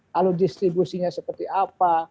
lalu distribusinya seperti apa